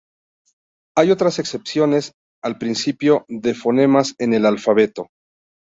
Hay otras excepciones al principio de fonemas en el alfabeto.